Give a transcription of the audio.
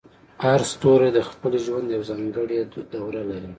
هر ستوری د خپل ژوند یوه ځانګړې دوره لري.